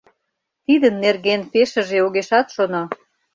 Тидын нерген пешыже огешат шоно.